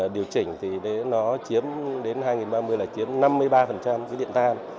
điều chỉnh thì nó chiếm đến hai nghìn ba mươi là chiếm năm mươi ba dưới điện than